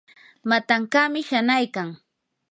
matankaami shanaykan.